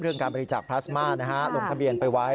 การบริจาคพลาสมาลงทะเบียนไปไว้